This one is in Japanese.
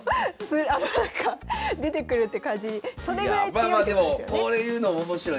いやあまあまあでもこういうのも面白い。